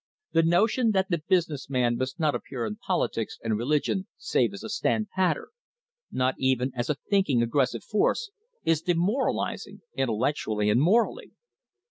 The notion that the busi ness man must not appear in politics and religion save as a "stand patter" not even as a thinking, aggressive force is demoralising, intellectually and morally.